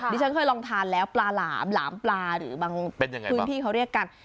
ดิฉันเคยลองทานแล้วปลาหลามหลามปลาหรือบางพื้นที่เขาเรียกกัน